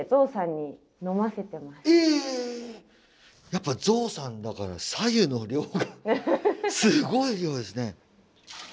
やっぱゾウさんだから白湯の量がすごい量ですね。